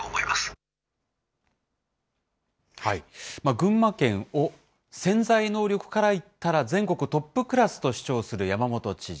群馬県を潜在能力からいったら全国トップクラスと主張する山本知事。